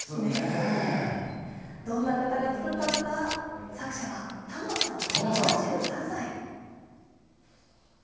どんな方が作ったのか、作者はたまさん７３歳。